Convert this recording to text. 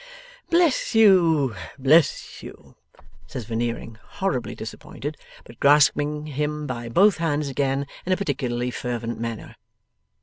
'Bless you, bless you!' says Veneering; horribly disappointed, but grasping him by both hands again, in a particularly fervent manner.